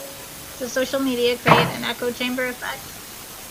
Does social media create an echo chamber effect?